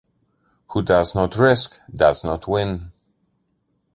Who does not risk, does not win.